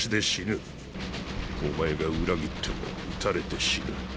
お前が裏切っても撃たれて死ぬ。